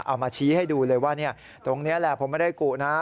เอามาชี้ให้ดูเลยว่าตรงนี้แหละผมไม่ได้กุนะ